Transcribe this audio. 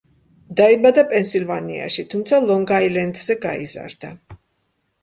დაიბადა პენსილვანიაში, თუმცა ლონგ-აილენდზე გაიზარდა.